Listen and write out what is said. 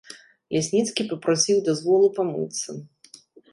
Лясніцкі папрасіў дазволу памыцца.